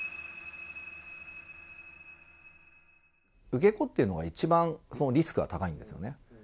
受け子っていうのは一番、そのリスクが高いんですね。